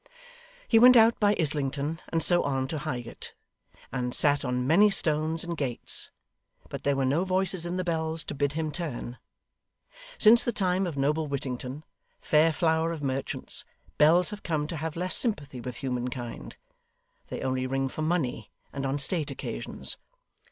He went out by Islington and so on to Highgate, and sat on many stones and gates, but there were no voices in the bells to bid him turn. Since the time of noble Whittington, fair flower of merchants, bells have come to have less sympathy with humankind. They only ring for money and on state occasions.